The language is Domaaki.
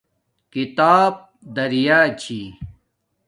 کتاب دریا چھی